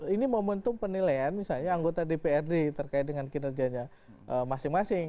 ini momentum penilaian misalnya anggota dprd terkait dengan kinerjanya masing masing